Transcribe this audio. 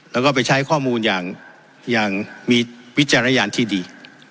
แล้วก็ไปใช้ข้อมูลอย่างมีวิจารณญาณที่ดี